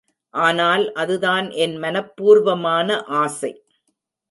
ஆனால் அதுதான் என் மனப்பூர்வமான ஆசை.